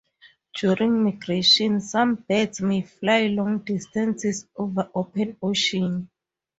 During migration, some birds may fly long distances over open ocean.